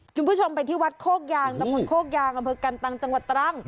คุณผู้ชมไปที่วัดโคกยางตะบนโคกยางอำเภอกันตังจังหวัดตรัง